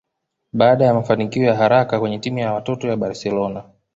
Baada ya mafanikio ya haraka kwenye timu ya watoto ya Barcelona